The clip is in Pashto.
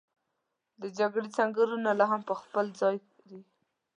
د جګړې سنګرونه لا هم په خپل ځای دي.